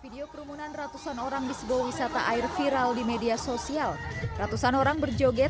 video kerumunan ratusan orang di sebuah wisata air viral di media sosial ratusan orang berjoget